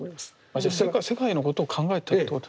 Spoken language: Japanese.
じゃあ世界のことを考えたってことですか？